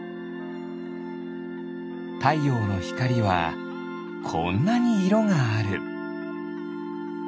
たいようのひかりはこんなにいろがある。